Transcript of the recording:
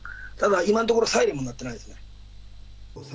ただ、今のところ、サイレンは鳴ってないです。